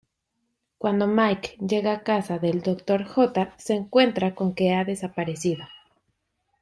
Cuando Mike llega a casa del Dr. J, se encuentra con que ha desaparecido.